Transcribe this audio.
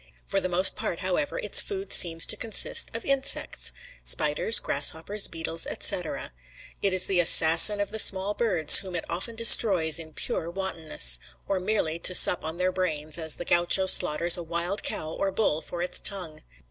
For the most part, however, its food seems to consist of insects, spiders, grasshoppers, beetles, etc. It is the assassin of the small birds, whom it often destroys in pure wantonness, or merely to sup on their brains, as the Gaucho slaughters a wild cow or bull for its tongue.